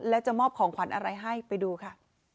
แล้วจะมอบของขวัญอะไรให้ไปดูค่ะ